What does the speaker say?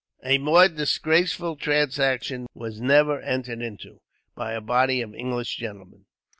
A more disgraceful transaction was never entered into, by a body of English gentlemen.